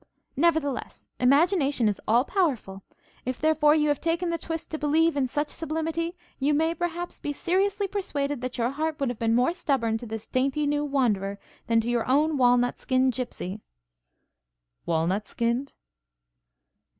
Nevertheless, imagination is all powerful; if, therefore, you have taken the twist to believe in such sublimity, you may, perhaps, be seriously persuaded, that your heart would have been more stubborn to this dainty new Wanderer than to your own walnut skinned gypsey.' 'Walnut skinned?'